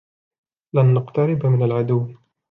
لن نقترب من العدو.